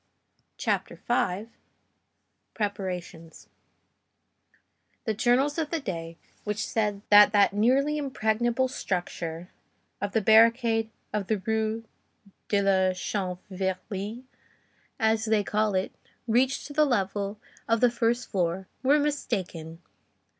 CHAPTER V—PREPARATIONS The journals of the day which said that that nearly impregnable structure, of the barricade of the Rue de la Chanvrerie, as they call it, reached to the level of the first floor, were mistaken.